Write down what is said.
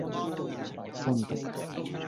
什麼人都喫得。